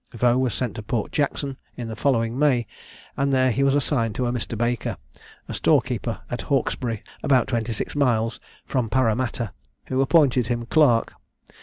Vaux was sent to Port Jackson in the following May, and there he was assigned to a Mr. Baker, a storekeeper at Hawkesbury, about twenty six miles from Paramatta, who appointed him his clerk.